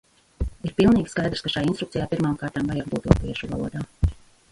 Ir pilnīgi skaidrs, ka šai instrukcijai pirmām kārtām vajag būt latviešu valodā.